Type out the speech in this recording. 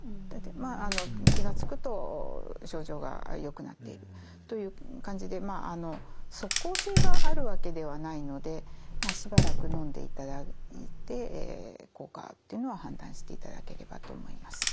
まああの気が付くと症状がよくなっているという感じで即効性があるわけではないのでしばらくのんでいただいて効果っていうのは判断していただければと思います。